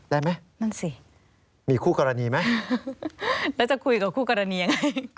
ได้ไหมนั่นสิมีคู่กรณีไหมแล้วจะคุยกับคู่กรณียังไง